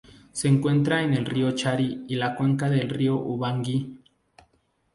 Se encuentra en el río Chari y la cuenca del río Ubangui.